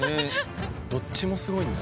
どっちもすごいんだ。